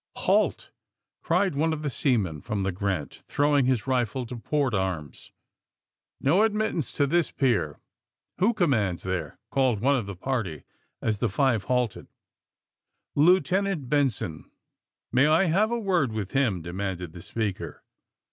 *^Halt!" cried one of the seamen from the Grant, '' throwing his rifle to port arms. No admittance to this pier!" ^^"Who commands there!" called one of the party, as the five halted. '* Lieutenant Benson." *^May I have a word with him!" demanded the speaker.